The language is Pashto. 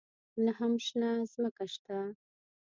نه هم شنه ځمکه شته.